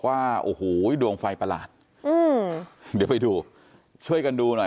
ว่าโอ้โหดวงไฟประหลาดอืมเดี๋ยวไปดูช่วยกันดูหน่อย